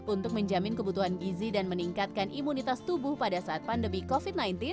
untuk menjamin kebutuhan gizi dan meningkatkan imunitas tubuh pada saat pandemi covid sembilan belas